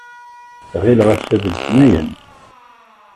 Ɣileɣ ass-a d letniyen.